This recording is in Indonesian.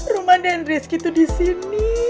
rumah dendriski tuh disini